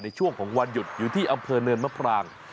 ในช่วงของวันหยุดอยู่ที่อำเภอเนินมะพราง